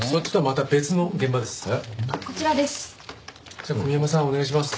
じゃあ小宮山さんお願いします。